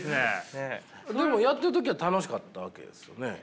でもやってる時は楽しかったわけですよね？